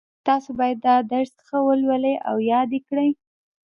تاسو باید دا درس ښه ولولئ او یاد یې کړئ